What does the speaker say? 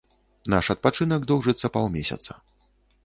Наш адпачынак доўжыцца паўмесяца.